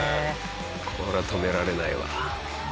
こりゃ止められないわ。